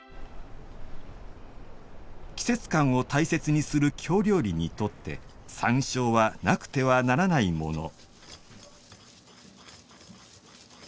季節感を大切にする京料理にとって山椒はなくてはならないもの。